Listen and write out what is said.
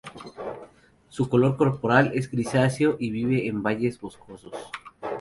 Su color corporal es grisáceo y vive en valles boscosos.